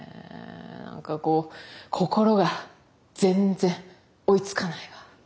何かこう心が全然追いつかないわ。